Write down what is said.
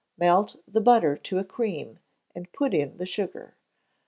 Melt the butter to a cream, and put in the sugar.